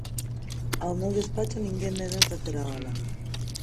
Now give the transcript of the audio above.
Ao meu despacho ninguén me vén facer a ola.